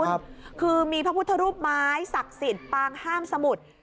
คือมีพระพุทธรูปไม้ศักดิ์สิทธิ์ปางห้ามสมุทร